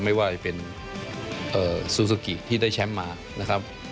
ไม่ว่าจะเป็นซูซูกิที่ได้แชมป์มานะครับ